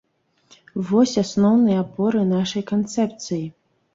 Вось асноўныя апоры нашай канцэпцыі.